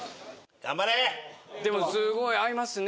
でもすごい合いますね。